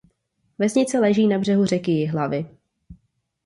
Vesnice leží na břehu řeky Jihlavy.